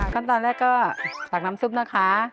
ขั้นตอนแรกก็ตักน้ำซุปนะคะ